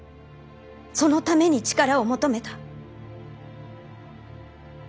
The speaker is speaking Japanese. そのために力を求めた。